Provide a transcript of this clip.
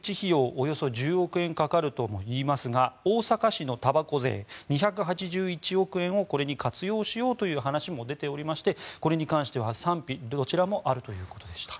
およそ１０億円かかるとも言いますが大阪市のたばこ税２８１億円をこれに活用しようという話も出ておりましてこれに関しては、賛否どちらもあるということでした。